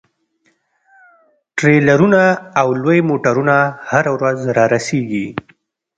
ټریلرونه او لوی موټرونه هره ورځ رارسیږي